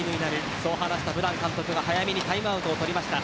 そう話したブラン監督は早めにタイムアウトを取りました。